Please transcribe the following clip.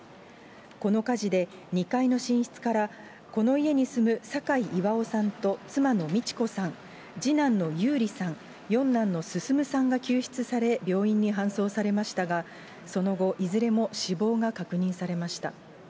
この火事で２階の寝室からこの家に住む酒井巌さんと妻の道子さん、次男の優理さん、四男の進さんが救出され、病院に搬送されましたが、その後、いずれも死亡が確認されました。